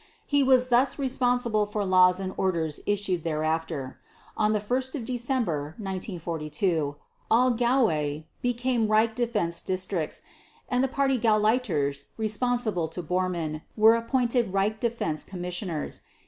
He was thus responsible for laws and orders issued thereafter. On 1 December 1942 all Gaue became Reich defense districts, and the Party Gauleiters responsible to Bormann were appointed Reich Defense Commissioners.